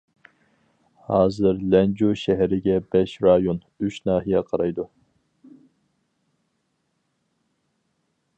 ھازىر لەنجۇ شەھىرىگە بەش رايون، ئۈچ ناھىيە قارايدۇ.